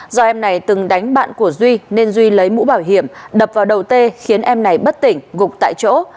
do em này từng đánh bạn của duy nên duy lấy mũ bảo hiểm đập vào đầu t khiến em này bất tỉnh gục tại chỗ